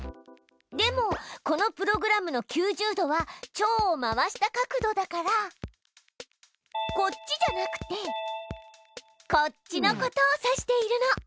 でもこのプログラムの９０度はチョウを回した角度だからこっちじゃなくてこっちのことを指しているの。